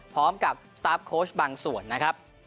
พร้อมกับสตาร์ฟโค้ชบางส่วนนะครับ